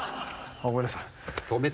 ごめんなさい。